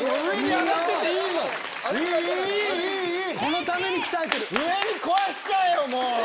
上に壊しちゃえよもう！